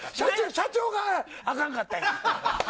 社長があかんかったんや。